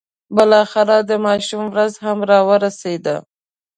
بالاخره د ماشوم ورځ هم را ورسېده.